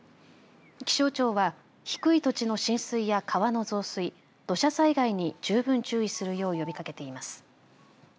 気象庁は低い土地の浸水や川の増水土砂災害に十分注意するよう呼びかけています。